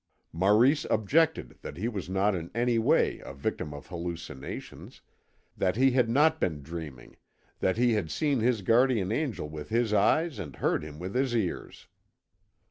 Maurice objected that he was not in any way a victim of hallucinations, that he had not been dreaming, that he had seen his guardian angel with his eyes and heard him with his ears.